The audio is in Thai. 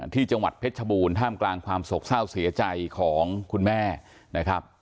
ที่จังหวัดเพชรชบูรณท่ามกลางความโศกเศร้าเสียใจของคุณแม่นะครับ